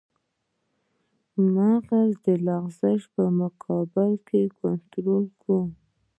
موږ د لغزش په مقابل کې کنټرول کوو